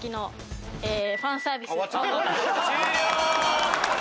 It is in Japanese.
終了！